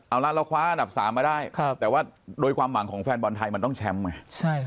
เอาละเราคว้าอันดับ๓มาได้แต่ว่าโดยความหวังของแฟนบอลไทยมันต้องแชมป์ไง